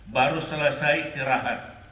baru selesai istirahat